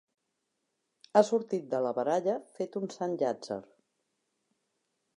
Ha sortit de la baralla fet un sant llàtzer.